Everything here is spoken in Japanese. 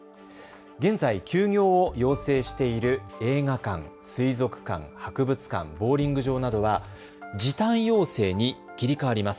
現在、休業を要請している映画館、水族館、博物館、ボウリング場などは時短要請に切り替わります。